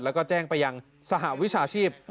แล้วก็แจ้งไปยังสหวิชาชีพ